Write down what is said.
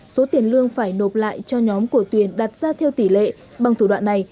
số tiền lương phải nộp lại cho nhóm của tuyền đặt ra theo tỷ lệ bằng thủ đoạn này